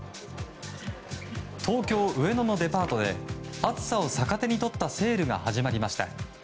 東京・上野のデパートで暑さを逆手に取ったセールが始まりました。